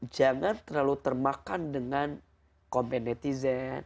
jangan terlalu termakan dengan kompen netizen